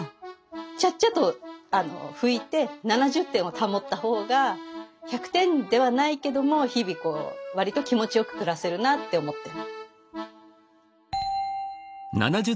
ちゃっちゃっと拭いて７０点を保った方が１００点ではないけども日々こう割と気持ちよく暮らせるなって思ってる。